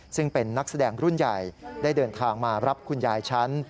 ซึ่งเป็นนักแสดงรุ่นใหญ่ได้เดินทางมารับคุณยายฉัน